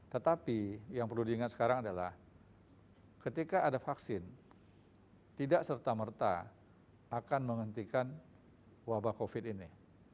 tetapi yang perlu diingat sekarang adalah ketika ada vaksin tidak serta merta akan menghentikan wabah covid ini